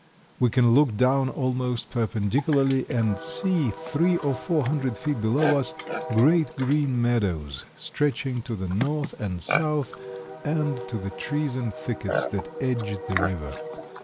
We can look down almost perpendicularly and see, three or four hundred feet below us, great green meadows stretching to the north and south and to the trees and thickets that edge the river.